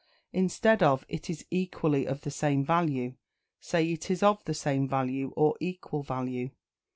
Instead of "It is equally of the same value," say "It is of the same value," or "equal value."